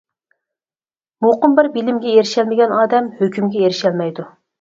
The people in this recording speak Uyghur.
مۇقىم بىر بىلىمگە ئېرىشەلمىگەن ئادەم ھۆكۈمگە ئېرىشەلمەيدۇ.